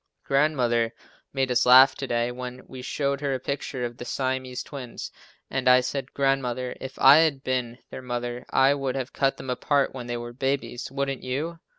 Grandmother made us laugh to day when we showed her a picture of the Siamese twins, and I said, "Grandmother, if I had been their mother I should have cut them apart when they were babies, wouldn't you?"